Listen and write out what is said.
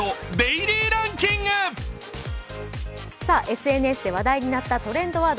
ＳＮＳで話題になったトレンドワード。